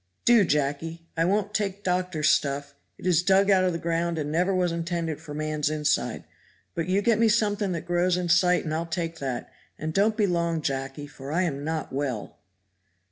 "Do, Jacky. I won't take doctor's stuff; it is dug out of the ground and never was intended for man's inside. But you get me something that grows in sight and I'll take that; and don't be long, Jacky for I am not well."